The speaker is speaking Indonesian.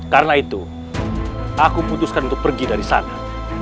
karena itu aku putuskan untuk pergi dari sana